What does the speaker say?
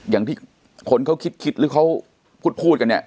อย่างที่คนเขาคิดหรือเขาพูดกันเนี่ย